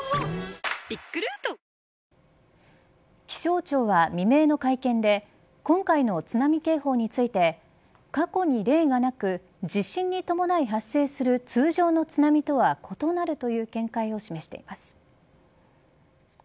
気象庁は未明の会見で今回の津波警報について過去に例がなく地震に伴い発生する通常の津波とは異なるという見解を示しています。